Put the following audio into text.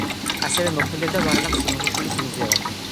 ასევე მოქმედებდა ვარლამ სიმონიშვილის მუზეუმი.